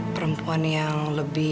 perempuan yang lebih